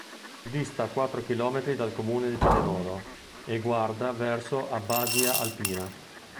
Dista quattro chilometri dal comune di Pinerolo e guarda verso Abbadia Alpina.